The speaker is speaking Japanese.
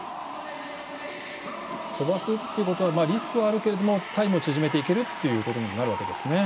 飛ばすっていうことはリスクはあるけれどもタイムを縮めていけるということになるわけですね。